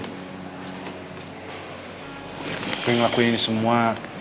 gue ngelakuin ini semua